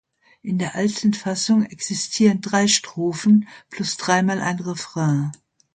In der alten Fassung existieren drei Strophen plus dreimal ein Refrain.